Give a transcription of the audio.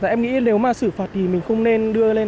em nghĩ nếu mà xử phạt thì mình không nên đưa lên